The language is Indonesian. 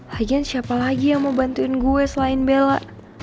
hajan siapa lagi yang mau bantuin gue selain bella